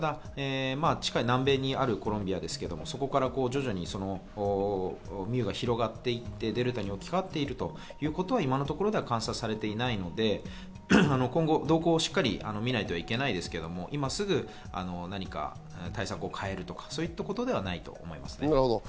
南米にあるコロンビアですけど、そこから徐々にミューが広がっていてデルタに置き換わっているということは今のところでは観察されていないので今後、動向をしっかり見ないといけないですけど、今すぐ何か対策を変えるとか、そういったことではないと思います。